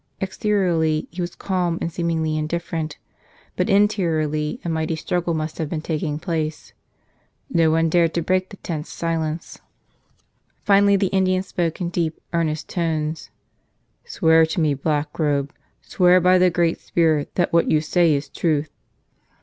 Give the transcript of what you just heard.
Exteriorly he was calm and seemingly in¬ different, but interiorly a mighty struggle must have been taking place. No one dared to break the tense silence. 49 >)" Tell Us Another!" Finally the Indian spoke in deep, earnest tones. ''Swear to me, Blackrobe, swear by the Great Spirit, that what you say is truth."